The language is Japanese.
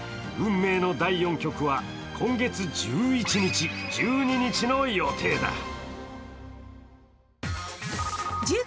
運命の第４局は今月１１日、１２日の予定だ。